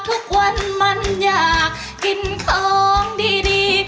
ทุกวันมันอยากกินของดี